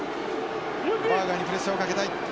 バーガーにプレッシャーをかけたい。